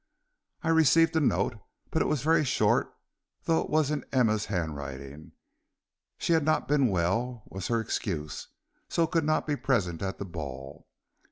"I received a note, but it was very short, though it was in Emma's handwriting. She had not been well, was her excuse, and so could not be present at the ball.